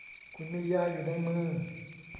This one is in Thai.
คุณมียาอยู่ในมือ